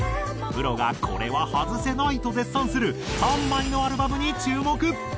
プロがこれは外せないと絶賛する３枚のアルバムに注目。